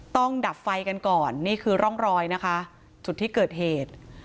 ดับไฟกันก่อนนี่คือร่องรอยนะคะจุดที่เกิดเหตุ